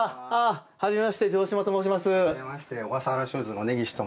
はじめまして、城島と申します。